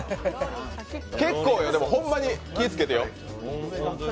結構よ、ホンマに気いつけてよ。